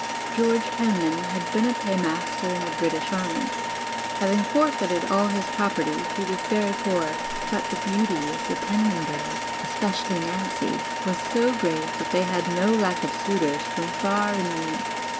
George Penman had been a paymaster in the British Army; having forfeited all his property, he was very poor, but the beauty of the Penman girls, especially Nancy, was so great that they had no lack of suitors from far and near.